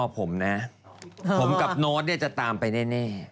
ผมกับโน๊ตเนี่ยจะตามไปแน่